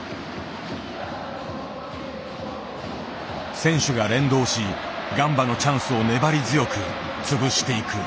選手が連動しガンバのチャンスを粘り強く潰していく。